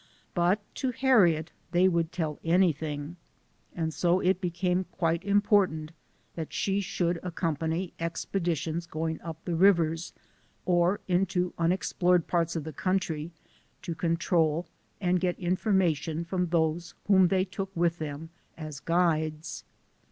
But to Harriet they would tell anything ; and so it became quite important that she should accompany expeditions going up the rivers, or into unexplored parts of the country, to control and get information from those whom they took with them as guides.